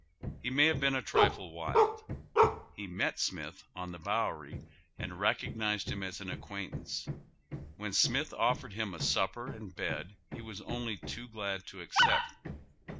He may have been a trifle wild. He met Smith on tlie Bowery and recog nized iiim as an acquaintance. When Smith offered him a supper and bed he was only too glad to accept.